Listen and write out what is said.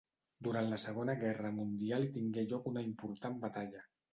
Durant la Segona Guerra Mundial hi tingué lloc una important batalla.